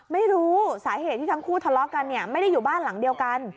ไม่รู้สาเหตุที่ทั้งคู่ทะเลาะกันเนี่ยไม่ได้อยู่บ้านหลังเดียวกัน